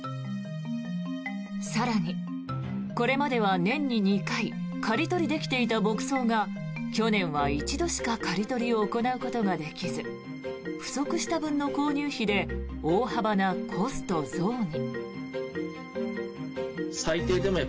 更に、これまでは年に２回刈り取りできていた牧草が去年は１度しか刈り取りを行うことができず不足した分の購入費で大幅なコスト増に。